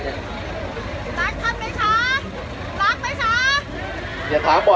ท่านรักท่านไหมคะรักไหมคะ